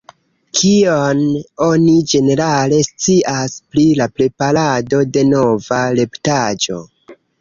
Kion oni ĝenerale scias pri la preparado de nova retpaĝo?